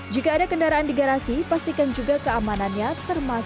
jika ada kendaraan di garasi pastikan juga untuk mencari jendela yang tidak terpakai